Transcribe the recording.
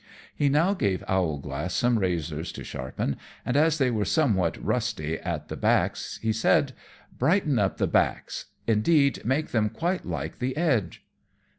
He now gave Owlglass some razors to sharpen, and as they were somewhat rusty at the backs, he said, "Brighten up the backs; indeed, make them quite like the edge."